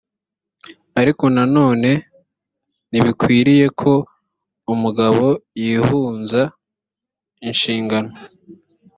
ariko nanone ntibikwiriye ko umugabo yihunza inshingano